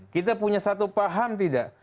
kita punya satu paham tidak